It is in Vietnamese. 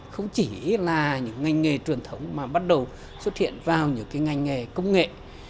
không chỉ là những ngành nghề truyền thống mà bắt đầu xuất hiện vào những ngành nghề công nghệ